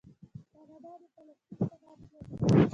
کاناډا د پلاستیک صنعت لري.